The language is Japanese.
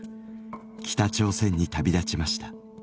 北朝鮮に旅立ちました。